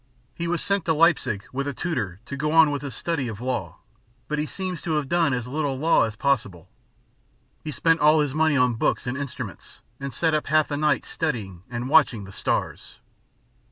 He was sent to Leipzig with a tutor to go on with his study of law, but he seems to have done as little law as possible: he spent all his money on books and instruments, and sat up half the night studying and watching the stars.